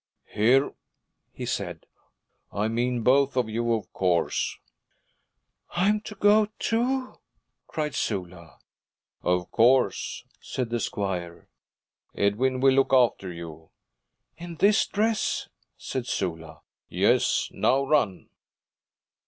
'Here,' he said, 'I mean both of you, of course.' 'I am to go, too?' cried Sula. 'Of course,' said the squire. 'Edwin will look after you.' 'In this dress?' said Sula. 'Yes, now run.'